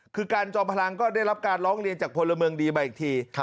คือการจอมพลังก็ได้รับการร้องเรียนจากพลเมืองดีมาอีกที